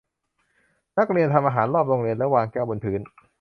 นักเรียนทำอาหารรอบห้องเรียนและวางแก้วบนพื้น